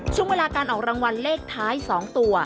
ช่วงเวลาการออกรางวัลเลขท้าย๒ตัว